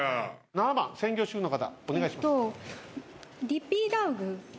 ７番専業主婦の方お願いします。